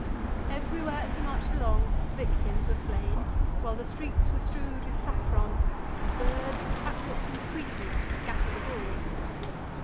Everywhere as he marched along, victims were slain, whilst the streets were strewed with saffron, and birds, chaplets, and sweetmeats scattered abroad.